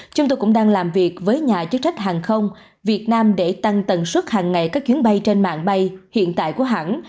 chúng tôi cũng đang làm việc với nhà chức trách hàng không việt nam để tăng tần suất hàng ngày các chuyến bay trên mạng bay hiện tại của hãng